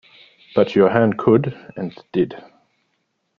But Johannes could, and did.